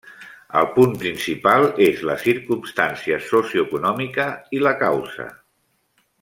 El punt principal és la circumstància socioeconòmica i la causa.